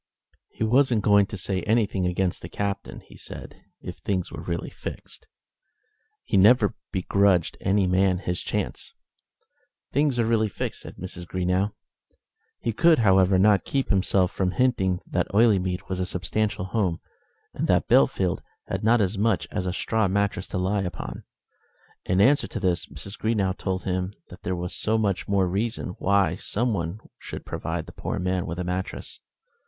"He wasn't going to say anything against the Captain," he said, "if things were really fixed. He never begrudged any man his chance." "Things are really fixed," said Mrs. Greenow. He could, however, not keep himself from hinting that Oileymead was a substantial home, and that Bellfield had not as much as a straw mattress to lie upon. In answer to this Mrs. Greenow told him that there was so much more reason why some one should provide the poor man with a mattress.